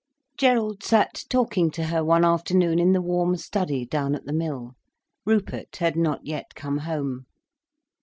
Gerald sat talking to her one afternoon in the warm study down at the Mill. Rupert had not yet come home.